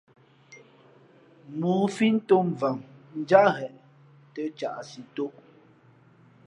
̀mōō fi, ntōm vam njáʼ gheʼ tᾱ caʼsi tōʼ.